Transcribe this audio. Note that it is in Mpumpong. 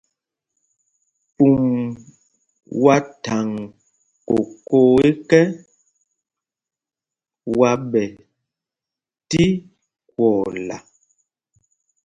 Pûm wá thaŋ kokō ekɛ, wá ɓɛ tí kwɔɔla.